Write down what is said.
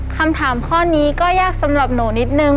คำถามข้อนี้ก็ยากสำหรับหนูนิดนึง